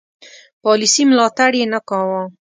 پالیسي ملاتړ یې نه کاوه.